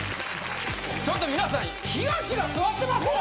ちょっと皆さんヒガシが座ってますよ